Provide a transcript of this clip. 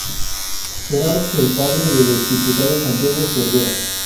Era el padre del ex-diputado Santiago Cervera.